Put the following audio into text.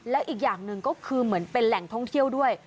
แล้วอีกอย่างหนึ่งก็คือเหมือนเป็นแหล่งท่องเที่ยวด้วย